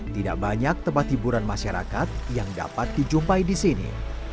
tidak banyak tempat hiburan masyarakat yang dapat dijumpai di sini